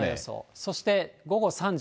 そして午後３時。